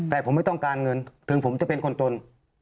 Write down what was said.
แต่ผมไม่ต้องการเงินถึงผมจะเป็นคนตน